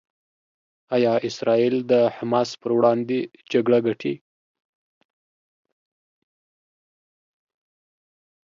ایا اسرائیل د حماس پر وړاندې جګړه ګټي؟